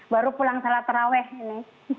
baru pulang salat terawih ini